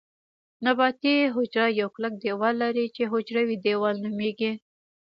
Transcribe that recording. نباتي حجره یو کلک دیوال لري چې حجروي دیوال نومیږي